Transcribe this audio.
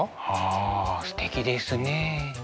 あすてきですね。